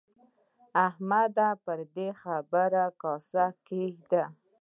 احمده! پر دې خبره کاسه کېږده.